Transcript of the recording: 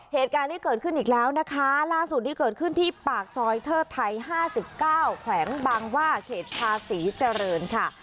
เหตุการณ์นี้เกิดขึ้นอีกแล้วนะคะล่าสุดที่เกิดขึ้นที่ปากซอยเทิดไทย๕๙แขวงบางว่าเขตภาษีเจริญค่ะ